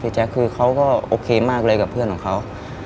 แจ๊คคือเขาก็โอเคมากเลยกับเพื่อนของเขา